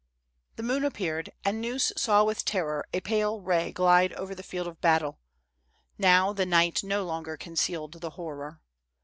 The moon appeared, and Gneuss saw with terror a pale ray glide over the field of battle. Now, the night no longer concealed the horror.